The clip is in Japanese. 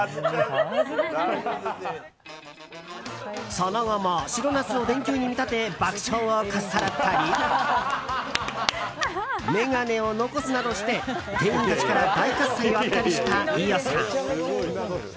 その後も白ナスを電球に見立て爆笑をかっさらったり眼鏡を残すなどして店員たちから大喝采を浴びたりした飯尾さん。